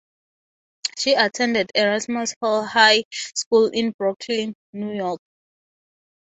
She attended Erasmus Hall High School in Brooklyn, New York.